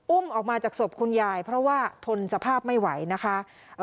ออกมาจากศพคุณยายเพราะว่าทนสภาพไม่ไหวนะคะ